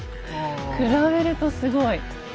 比べるとすごい。